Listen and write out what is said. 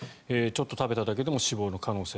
ちょっと食べただけでも死亡の可能性。